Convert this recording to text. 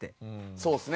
そうっすね。